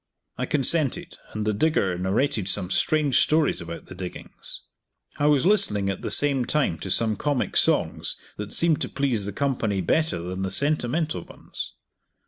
I consented, and the digger narrated some strange stories about the diggings. I was listening at the same time to some comic songs that seemed to please the company better than the sentimental ones.